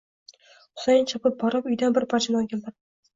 Husayin chopib borib, uydan bir parcha non keltirdi.